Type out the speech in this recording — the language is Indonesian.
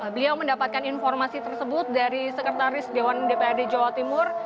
beliau mendapatkan informasi tersebut dari sekretaris dewan dprd jawa timur